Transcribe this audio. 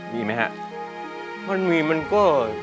มีไหมฮะมันมีมันก็